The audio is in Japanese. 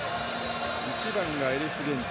１番がエリス・ゲンジ。